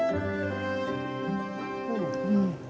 うん。